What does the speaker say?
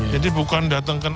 jadi bukan datangkan